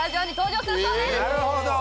なるほど！